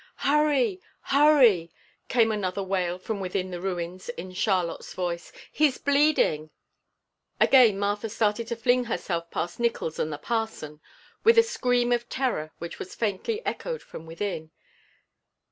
"Hurry, hurry!" came another wail from within the ruins in Charlotte's voice. "He's bleeding!" Again Martha started to fling herself past Nickols and the parson with a scream of terror which was faintly echoed from within.